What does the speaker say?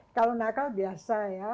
kalau nakal biasa ya